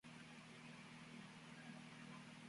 Es desarrollada por Pioneers of the Inevitable.